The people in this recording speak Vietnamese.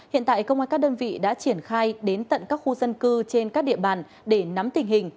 hiện tại công an các đơn vị đã triển khai đến tận các khu dân cư trên các địa bàn để nắm tình hình